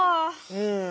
うん。